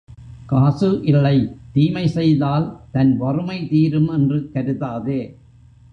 காசு இல்லை தீமை செய்தால் தன் வறுமை தீரும் என்று கருதாதே.